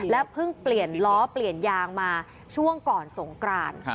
เพิ่งเปลี่ยนล้อเปลี่ยนยางมาช่วงก่อนสงกราน